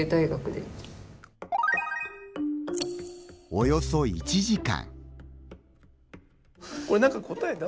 およそ１時間。